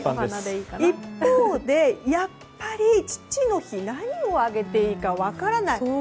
一方で、やっぱり父の日何をあげていいか分からない。